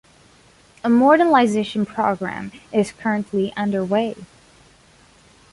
A modernisation program is currently underway.